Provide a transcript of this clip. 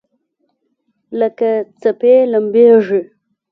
لکه څپې لمبیږي